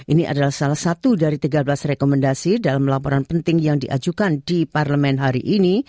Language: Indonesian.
ini adalah salah satu dari tiga belas rekomendasi dalam laporan penting yang diajukan di parlemen hari ini